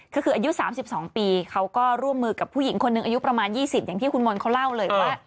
ก็คืออายุ๓๒ปีเขาก็ร่วมมือกับผู้หญิงคนหนึ่งอายุประมาณ๒๐อย่างที่คุณมนต์เขาเล่าเลยว่า